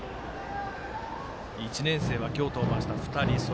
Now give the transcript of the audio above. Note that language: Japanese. １年生は今日登板した２人。